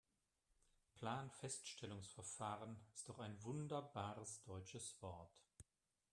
Planfeststellungsverfahren ist doch ein wunderbares deutsches Wort.